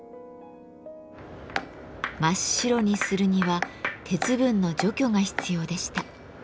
真っ白にするには鉄分の除去が必要でした。